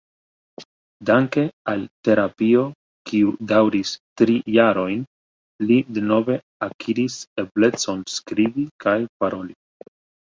Danke al terapio kiu daŭris tri jarojn, li denove akiris eblecon skribi kaj paroli.